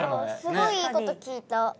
すごいいいこと聞いた。